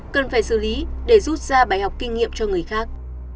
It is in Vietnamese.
cần phải xử lý để rút ra bài học kinh nghiệm cho người khác